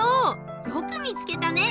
よく見つけたね。